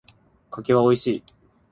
柿は美味しい。